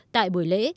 tại buổi lễ